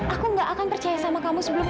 aku gak akan percaya sama kamu sebelum